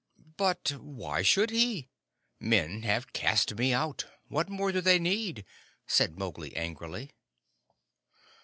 "But why should he? Men have cast me out. What more do they need?" said Mowgli, angrily.